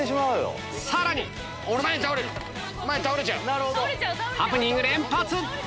さらにハプニング連発！